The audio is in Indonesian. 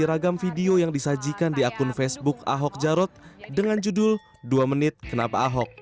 ragam video yang disajikan di akun facebook ahok jarot dengan judul dua menit kenapa ahok